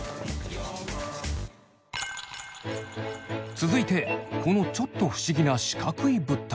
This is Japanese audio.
続いてこのちょっと不思議な四角い物体。